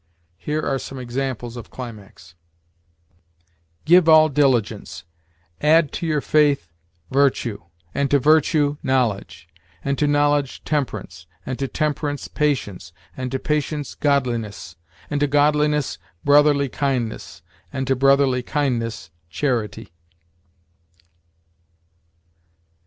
Here are some examples of climax: "Give all diligence; add to your faith, virtue; and to virtue, knowledge; and to knowledge, temperance; and to temperance, patience; and to patience, godliness; and to godliness, brotherly kindness; and to brotherly kindness, charity."